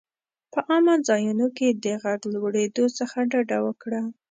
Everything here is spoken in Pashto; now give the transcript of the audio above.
په عامه ځایونو کې د غږ لوړېدو څخه ډډه وکړه.